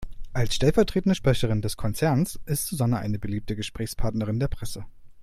Als stellvertretende Sprecherin des Konzerns ist Susanne eine beliebte Gesprächspartnerin der Presse.